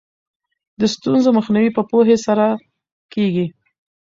د ستونزو مخنیوی په پوهې سره کیږي.